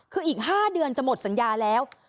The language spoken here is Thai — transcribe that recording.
คืออีก๕เดือนจะหมดสัญญาแล้ว